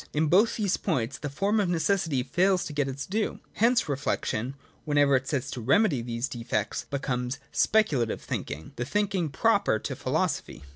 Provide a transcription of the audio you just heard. In both these points the form of necessity fails to get its due. Hence reflection, whenever it sets itself to remedy these defects, becomes speculative thinking, the thinking proper to philosophy.